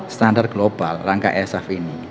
standar global rangka isf ini